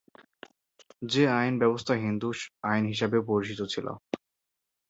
সে আইন ব্যবস্থা হিন্দু আইন হিসেবেও পরিচিত ছিল।